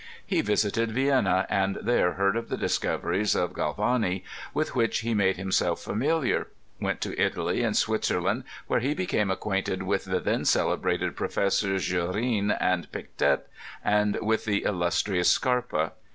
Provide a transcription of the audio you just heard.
He visited Vienna, and there heard of the discoveries of Galvani, with which he made himself familiar ; went to Italy and Switzerland, where he be came acquainted with the then celebrated Professors Jurine and Pictet, and with the illustrious Scarpa.